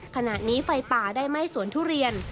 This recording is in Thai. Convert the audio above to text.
ขณะนี้ไฟป่าได้ไหม้สวนทุเรียน